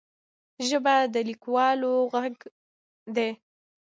ژبه د لیکوالو غږ دی